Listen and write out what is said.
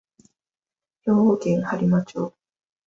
兵庫県播磨町